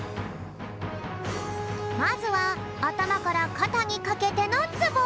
まずはあたまからかたにかけてのツボ。